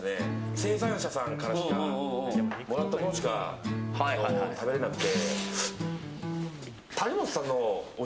生産者さんからしかもらったものしか食べれなくて。